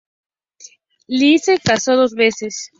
Li se casó dos veces.